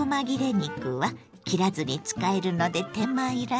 肉は切らずに使えるので手間いらずよ。